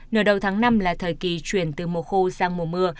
nửa đầu tháng năm là thời kỳ chuyển từ mùa khô sang mùa mưa